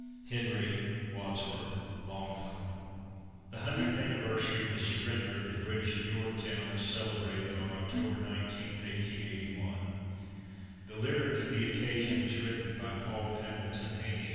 HENRY WADSWORTH LONGFELLOW. The hundredth anniversary of the surrender of the British at Yorktown was celebrated on October 19, 1881. The lyric for the occasion was written by Paul Hamilton Hayne.